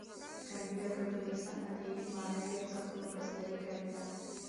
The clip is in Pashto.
کانديد اکاډميسن عطایي د معنوي ارزښتونو پاسداري کړې ده.